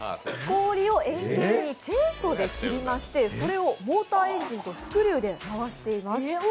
氷を円形にチェーンソーで切りまして、それをモーターエンジンとスクリューで回しています。